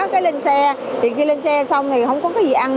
khi lên xe thì không có gì ăn